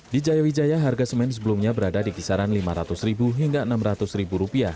di jaya wijaya harga semen sebelumnya berada di kisaran rp lima ratus ribu hingga rp enam ratus ribu